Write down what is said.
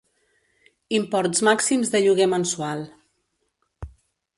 Imports màxims de lloguer mensual.